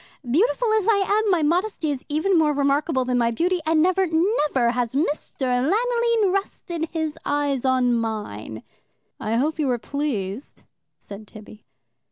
Beautiful as I am, my modesty is even more remarkable than my beauty, and never, never has Mr. Lanoline rested his eyes on mine.'" "I hope you were pleased," said Tibby.